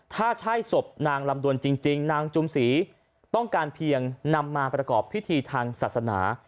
ถ้าใช่ศพนางลำดวนจริงนางจุมศรีต้องการเพียงนำมาประกอบพิธีทางศาสนา